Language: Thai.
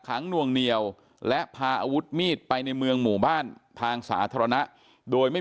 นวงเหนียวและพาอาวุธมีดไปในเมืองหมู่บ้านทางสาธารณะโดยไม่